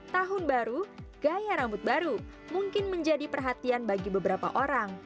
tahun baru gaya rambut baru mungkin menjadi perhatian bagi beberapa orang